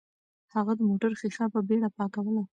هغه د موټر ښیښه په بیړه پاکوله.